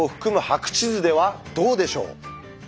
白地図ではどうでしょう？